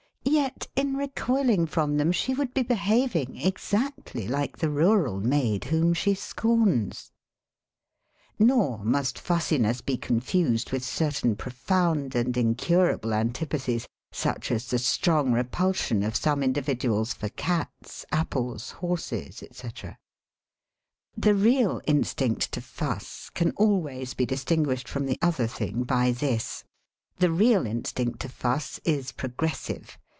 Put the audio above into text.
Yet in recoiling from them she would be behaving exactly like the rural maid whom she scorns. Nor must fussiness be confused with certain profound and incurable antipathies, such as the strong repulsion of some individuals for cats, apples, horses, etc. The real instinct to fuss can always be dis tinguished from the other thing by this — ^the real instinct to fuss is progressive.